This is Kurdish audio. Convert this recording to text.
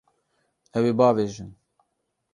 Ew ê biavêjin.